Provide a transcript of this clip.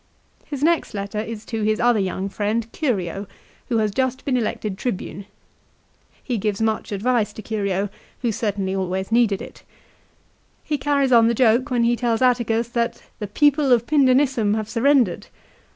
His next letter is to his other young friend Curio, who has just been elected Tribune. He gives much advice to Curio, who certainly always needed it. 1 He carries on the joke when he tells Atticus that the " people of Pindenissum have surrendered."